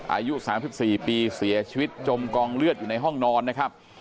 อายุ๓๔ปีเสียชีวิตจมกองเลือดอยู่ในห้องนอนนะครับ